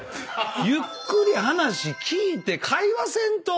ゆっくり話聞いて会話せんと！